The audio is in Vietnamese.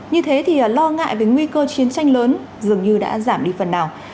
như thế thì lo ngại về nguy cơ chiến tranh lớn dường như đã giảm đi phần nào